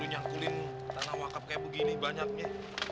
udah nyangkulin tanah wakaf kayak begini banyaknya